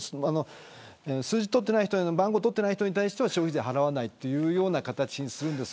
数字を取っていない人番号を取っていない人には消費税を払わないという形にします。